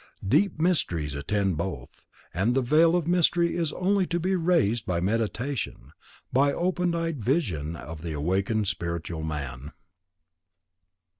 Deep mysteries attend both, and the veil of mystery is only to be raised by Meditation, by open eyed vision of the awakened spiritual man.